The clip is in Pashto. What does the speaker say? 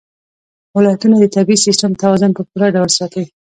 ولایتونه د طبعي سیسټم توازن په پوره ډول ساتي.